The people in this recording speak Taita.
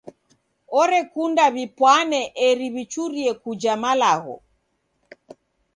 Orekunda w'ipwane eri w'ichurie kuja malagho.